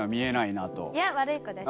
いや悪い子です。